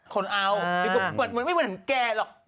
คนเอามันไม่เหมือนแกหรอก